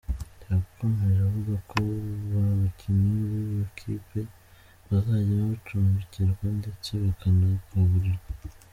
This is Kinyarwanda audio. Yakomeje avuga ko abakinnyi b’iyo kipe bazajya bacumbikirwa ndetse bakanagaburirwa.